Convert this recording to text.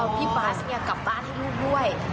พี่บาสเนี่ยกลับบ้านให้ลูกด้วย